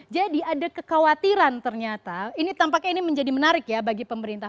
jadi ada kekhawatiran ternyata ini tampaknya ini menjadi menarik ya bagi pemerintah